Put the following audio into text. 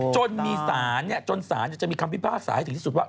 จนมีสารจนสารจะมีคำพิพากษาให้ถึงที่สุดว่า